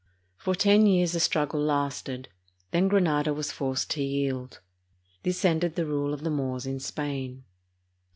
For ten years the struggle lasted; then Granada was forced to yield. This ended the rule of the Moors in Spain.